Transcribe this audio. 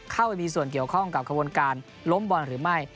เข้าไปมีส่วนเกี่ยวข้องกับขบวนการล้มบอลหรือไม่